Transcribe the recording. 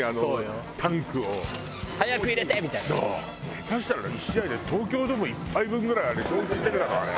下手したら１試合で東京ドーム一杯分ぐらい消費してるだろあれ。